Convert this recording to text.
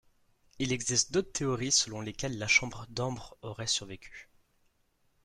Il existe d'autres théories selon lesquelles la Chambre d'Ambre aurait survécu.